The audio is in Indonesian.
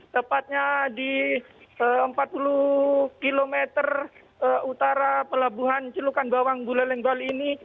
tepatnya di empat puluh km utara pelabuhan celukan bawang buleleng bali ini